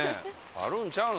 あるんちゃうん？